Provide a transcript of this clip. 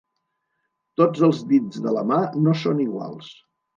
Tots els dits de la mà no són iguals.